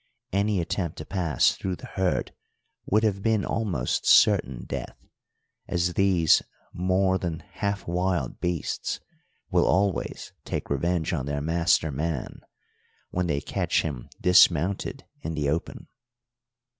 Any attempt to pass through the herd would have been almost certain death, as these more than half wild beasts will always take revenge on their master man when they catch him dismounted in the open.